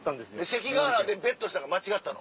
関ヶ原でベットしたんが間違ったの？